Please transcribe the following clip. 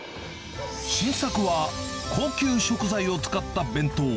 新作は高級食材を使った弁当。